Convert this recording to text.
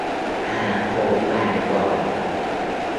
Hà vội vàng gọi